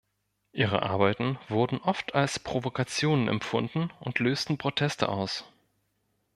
Ihre Arbeiten wurden oft als Provokationen empfunden und lösten Proteste aus.